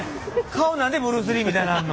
顔何でブルース・リーみたいなんの？